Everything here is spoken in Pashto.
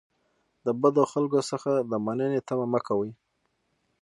د بدو خلکو څخه د مننې تمه مه کوئ.